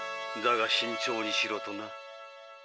だが慎重にしろ」とな。